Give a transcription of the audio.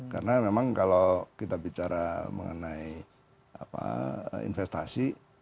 karena memang kalau kita bicara mengenai investasi